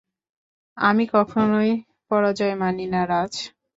আমি কখনই পরাজয় মানি না, রাজ।